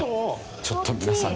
ちょっと皆さん